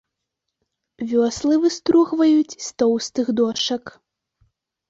Вёслы выстругваюць з тоўстых дошак.